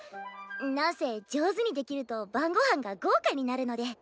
なんせ上手にできると晩ご飯が豪華になるので。